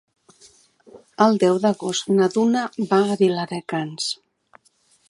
El deu d'agost na Duna va a Viladecans.